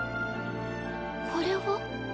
これは？